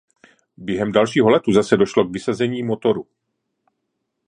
Během dalšího letu zase došlo k vysazení motoru.